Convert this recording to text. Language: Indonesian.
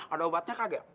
ada obatnya kaget